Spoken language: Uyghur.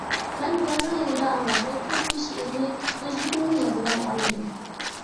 مەن ئۇلارنىڭ يېنىدا ئاڭلاپ ئولتۇرۇپ ئۇ شېئىرنى ئۆزلۈكۈمدىن يادلىۋالغانىدىم.